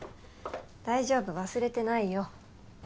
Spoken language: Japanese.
大丈夫忘れてないよ。